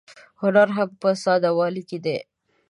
هنر هم په ساده والي کې دی.